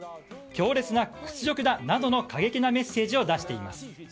強烈な屈辱だ、などの過激なメッセージを出しています。